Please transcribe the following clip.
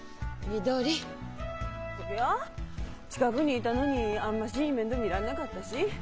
そりゃ近くにいたのにあんまし面倒見らんねかったし。